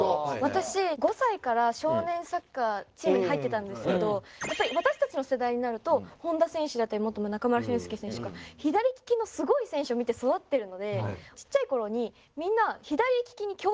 私５歳から少年サッカーチームに入ってたんですけどやっぱり私たちの世代になると本田選手だったり中村俊輔選手とか左利きのすごい選手を見て育ってるのでちっちゃい頃にみんな左利きに矯正するんですよ。